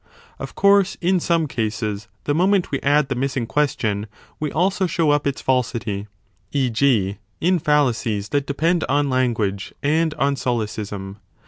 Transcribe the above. Of course, in some cases the moment we add the missing question, we also show up its falsity, e. g. in fallacies that depend on language and on solecism.